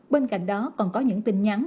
bên cạnh đó còn có những tin nhắn